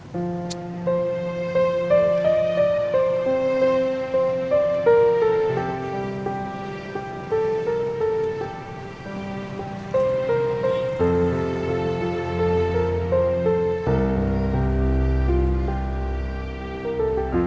kebetulan aerosolnya diambil